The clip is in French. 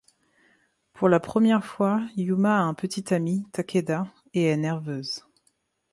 Pour la première fois Yuma a un petit ami, Takeda, et est nerveuse.